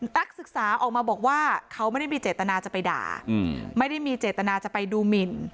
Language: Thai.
ศึกษาออกมาบอกว่าเขาไม่ได้มีเจตนาจะไปด่าไม่ได้มีเจตนาจะไปดูหมิน